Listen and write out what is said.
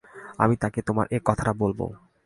আমি তাকে তোমার এই কথাটা বলব।